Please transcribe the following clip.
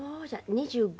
２５。